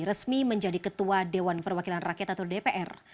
resmi menjadi ketua dewan perwakilan rakyat atau dpr